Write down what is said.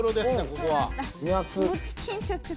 ここは。